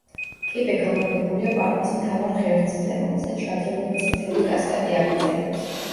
კიბე განლაგებულია პარკის მთავარ ღერძზე, რომელსაც შადრევნების მთელი კასკადი აგრძელებს.